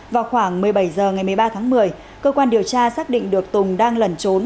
vào khoảng một mươi bảy h ngày một mươi ba tháng một mươi cơ quan điều tra xác định được tùng đang lẩn trốn